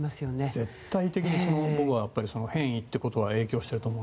絶対的に変異ということが影響していると思う。